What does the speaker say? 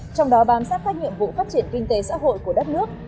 trong đó bám sát các nhiệm vụ phát triển kinh tế xã hội của đất nước